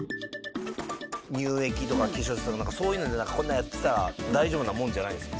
乳液とか化粧水とか何かそういうのでこんなやってたら大丈夫なもんじゃないんですか？